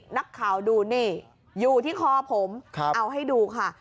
นักข่าวดูนี่อยู่ที่คอผมเอาให้ดูค่ะ